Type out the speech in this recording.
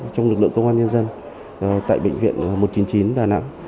trong lực lượng công an nhân dân tại bệnh viện một trăm chín mươi chín đà nẵng